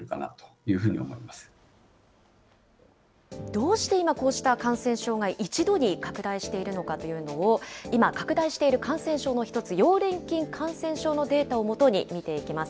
どうして今、こうした感染症が一度に拡大しているのかというのを、今、拡大している感染症の一つ、溶連菌感染症の一つ、データをもとに見ていきます。